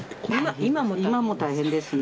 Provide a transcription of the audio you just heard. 今も大変ですね。